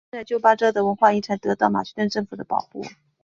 现在旧巴扎的文化遗产得到马其顿政府的保护。